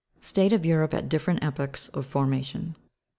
STATE OF EUROPE AT DIFFERENT EPOCHS OF FORMATION.